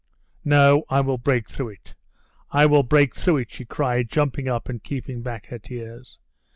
"No; I will break through it, I will break through it!" she cried, jumping up and keeping back her tears.